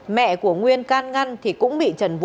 mẹ của nguyên can ngăn thì cũng bị trần vũ bảo dùng